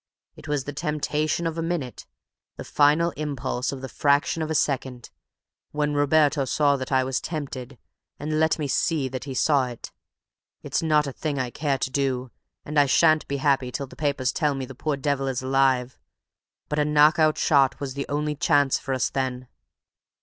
"It was the temptation of a minute—the final impulse of the fraction of a second, when Roberto saw that I was tempted, and let me see that he saw it. It's not a thing I care to do, and I sha'n't be happy till the papers tell me the poor devil is alive. But a knock out shot was the only chance for us then."